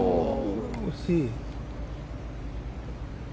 惜しい。